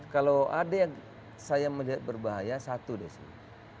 kalau ada yang saya melihat berbahaya satu dari sini